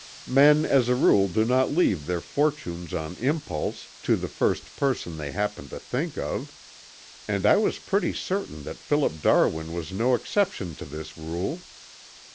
Men as a rule do not leave their fortunes on impulse to the first person they happen to think of, and I was pretty certain that Philip Darwin was no exception to this rule.